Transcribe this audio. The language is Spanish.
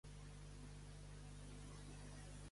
En la saga "Punch-Out!!